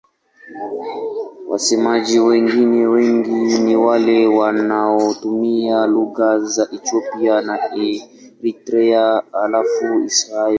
Wasemaji wengine wengi ni wale wanaotumia lugha za Ethiopia na Eritrea halafu Israel.